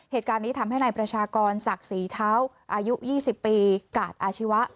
เหตุการณ์นี้ทำให้นายประชากรศักดิ์ศรีเท้าอายุ๒๐ปีกาดอาชีวะ